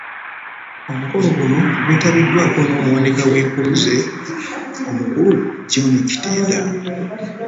”Omukolo guno gwetabiddwako n’Omuwanika w’Enkuluze, Omukulu John Kitenda.